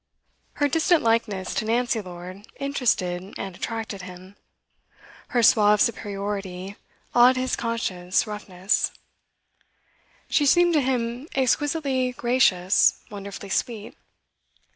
Her distant likeness to Nancy Lord interested and attracted him; her suave superiority awed his conscious roughness; she seemed to him exquisitely gracious, wonderfully sweet.